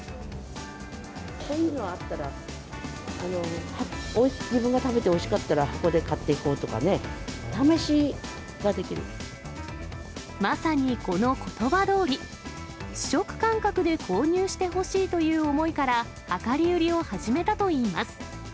こういうのがあったら、自分が食べておいしかったら箱で買っていこうとかね、お試しがでまさにこのことばどおり、試食感覚で購入してほしいという思いから、量り売りを始めたといいます。